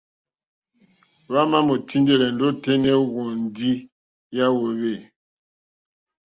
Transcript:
Hwámà mòtíndɛ́lɛ́ ndí ôténá ɛ̀hwɔ̀ndí yá hwōhwê.